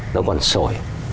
nó còn sổi